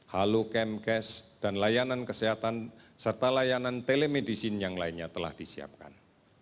halo camp case dan layanan kesehatan serta layanan telemedicine yang lainnya telah disiapkan